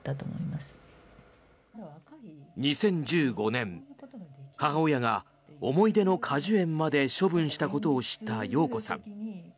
２０１５年母親が思い出の果樹園まで処分したことを知った容子さん。